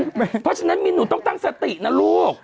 เพราะฉะนั้นมีหนูต้องตั้งสตินะลูก